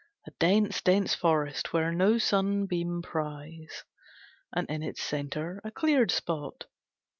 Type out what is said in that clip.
A dense, dense forest, where no sunbeam pries, And in its centre a cleared spot.